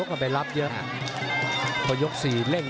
ก็เนี่ยรักมัวแบบนี้แหละนะชีวิตเดียวกันนะ